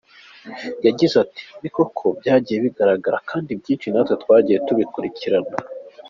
Yagize ati “Ni byo koko byagiye bigaragara kandi ibyinshi natwe twagiye tubikurikirana.